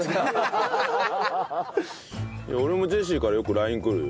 俺もジェシーからよくＬＩＮＥ来るよ。